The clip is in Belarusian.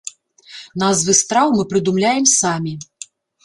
Назвы страў мы прыдумляем самі.